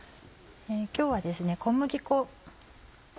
今日は小麦粉。